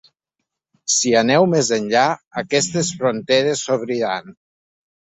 Si aneu més enllà, aquestes fronteres s’obriran.